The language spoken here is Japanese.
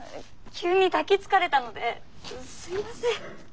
急に抱きつかれたのですみません。